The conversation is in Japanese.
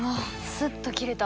スッと切れた。